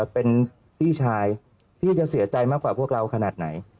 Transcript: เป็นพี่ชายพี่จะเสียใจมากกว่าพวกเราขนาดไหน